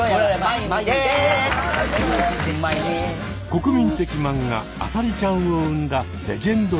国民的漫画「あさりちゃん」を生んだレジェンド姉妹。